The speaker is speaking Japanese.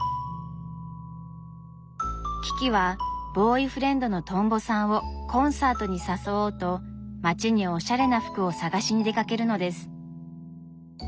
キキはボーイフレンドのとんぼさんをコンサートに誘おうと街におしゃれな服を探しに出かけるのです。